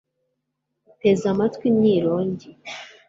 uteze amatwi imyirongi